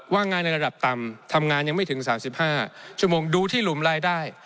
ว่างงานในระดับต่ำทำงานยังไม่ถึง๓๕ชั่วโมงดูที่หลุมรายได้